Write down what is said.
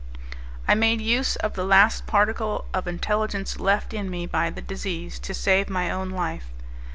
I made use of the last particle of intelligence left in me by the disease to save my own life.